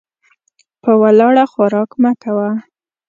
په ولاړه خوراک مه کوه .